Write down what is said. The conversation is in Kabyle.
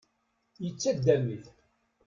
Yettaddam-it.